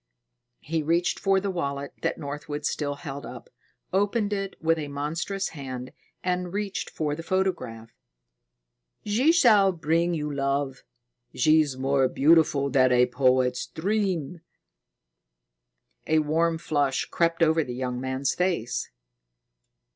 He reached for the wallet that Northwood still held, opened it with a monstrous hand, and reached for the photograph. "She shall bring you love. She's more beautiful than a poet's dream." A warm flush crept over the young man's face.